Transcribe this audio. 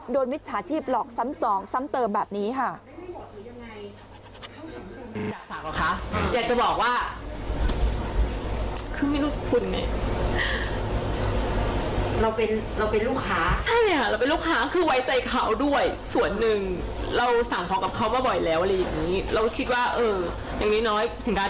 มิจฉาชีพหลอกซ้ำสองซ้ำเติมแบบนี้ค่ะ